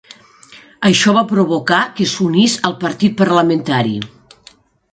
Això va provocar que s'unís al partit parlamentari.